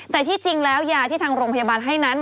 แต่ที่จริงแล้วยาที่ทางโรงพยาบาลให้นั้น